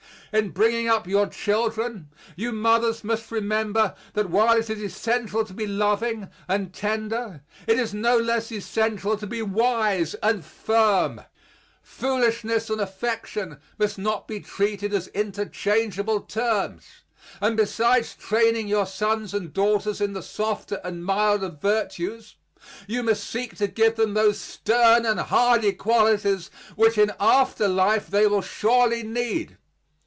In bringing up your children you mothers must remember that while it is essential to be loving and tender it is no less essential to be wise and firm. Foolishness and affection must not be treated as interchangeable terms; and besides training your sons and daughters in the softer and milder virtues, you must seek to give them those stern and hardy qualities which in after life they will surely need.